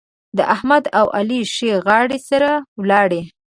د احمد او علي ښې غاړې سره ولاړې.